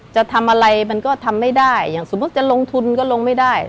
จะทำอะไรมันก็ทำไม่ได้อย่างสมมุติจะลงทุนก็ลงไม่ได้